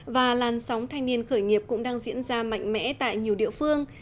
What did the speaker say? và làn sóng thanh niên khởi nghiệp cũng đang diễn ra mạnh mẽ tại nhiều địa phương